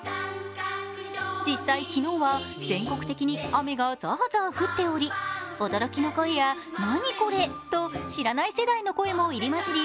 実際、昨日は全国的に雨がザーザー降っており驚きの声や、何これ？と知らない世代の声も入り交じり